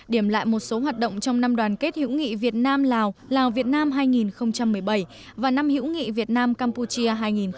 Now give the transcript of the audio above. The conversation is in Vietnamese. điểm lại một số hoạt động trong năm đoàn kết hữu nghị việt nam lào lào việt nam hai nghìn một mươi bảy và năm hữu nghị việt nam campuchia hai nghìn một mươi tám